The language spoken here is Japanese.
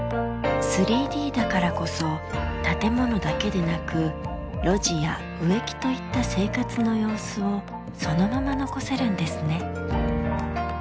３Ｄだからこそ建物だけでなく路地や植木といった生活の様子をそのまま残せるんですね。